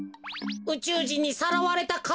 うちゅうじんにさらわれたか？